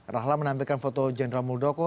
rahlan menampilkan foto jenderal muldoko